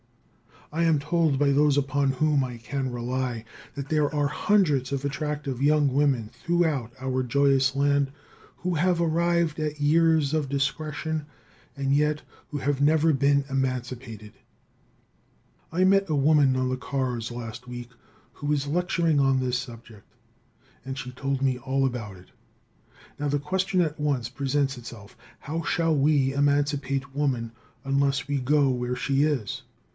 I am told by those upon whom I can rely that there are hundreds of attractive young women throughout our joyous land who have arrived at years of discretion and yet who have never been emancipated. I met a woman on the cars last week who is lecturing on this subject, and she told me all about it. Now, the question at once presents itself, how shall we emancipate woman unless we go where she is?